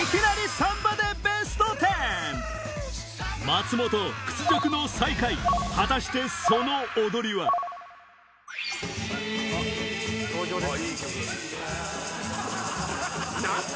松本屈辱の最下位果たしてその踊りは？いい曲。